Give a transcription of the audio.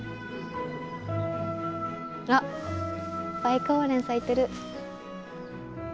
あっバイカオウレン咲いてる。